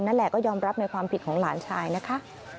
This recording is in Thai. นั่นแหละก็ยอมรับในความผิดของหลานชายนะคะ